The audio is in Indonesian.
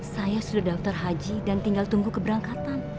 saya sudah daftar haji dan tinggal tunggu keberangkatan